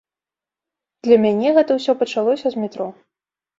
Для мяне гэта ўсё пачалося з метро.